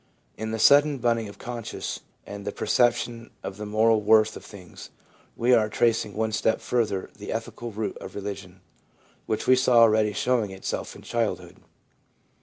In the sudden budding of conscience and the perception of the moral worth of things, we are tracing one step further the ethical root of religion, which we saw already showing itself in childhood.